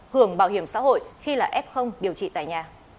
hưởng bảo hiểm xã hội khi là f điều trị tại nhà